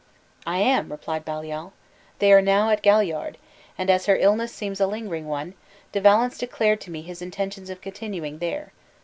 "I am," replied Baliol. "They are now at Galliard, and as her illness seems a lingering one, De Valence declared to me his intentions of continuing there.